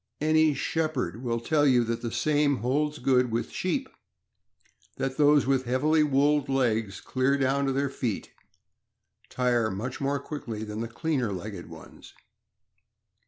Any shepherd will tell you that the same holds good with sheep; that those with heavily wooled legs clear down to their feet tire much more quickly than the cleaner legged ones.